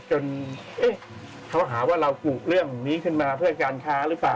เขาหาว่าเรากุเรื่องนี้ขึ้นมาเพื่อการค้าหรือเปล่า